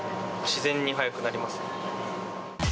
自然に速くなりますね。